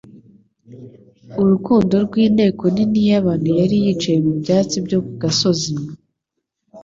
Urukundo rwa Inteko nini y'abantu yari yicaye mu byatsi byo ku gasozi,